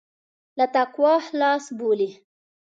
له تقوا خلاص بولي.